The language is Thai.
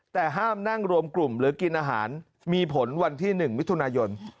แต่ห้ามนั่งรวมกลุ่มหรือกินอาหารมีผลวันที่๑มิถุนายน